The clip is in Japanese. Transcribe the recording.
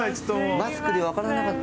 マスクで分からなかった。